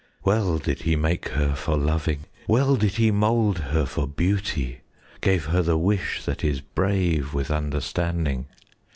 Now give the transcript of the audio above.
Well did he make her for loving; Well did he mould her for beauty; 10 Gave her the wish that is brave With understanding.